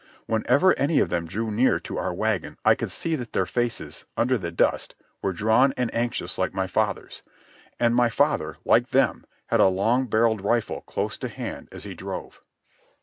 Whenever any of them drew near to our wagon I could see that their faces, under the dust, were drawn and anxious like my father's. And my father, like them, had a long barrelled rifle close to hand as he drove.